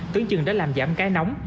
tưởng chừng đã làm giảm cái nóng